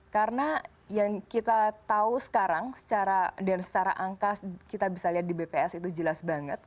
karena yang kita tahu sekarang secara dan secara angka kita bisa lihat di bps itu jelas banget